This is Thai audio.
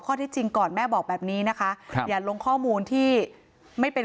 ที่จริงก่อนแม่บอกแบบนี้นะคะครับอย่าลงข้อมูลที่ไม่เป็น